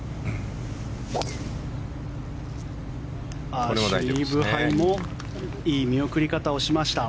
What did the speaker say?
アシュリー・ブハイもいい見送り方をしました。